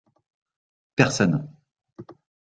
Personne.